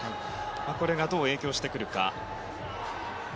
これがどう影響してくるか。